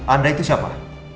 anda itu siapa